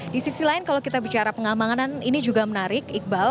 di sisi lain kalau kita bicara pengamanan ini juga menarik iqbal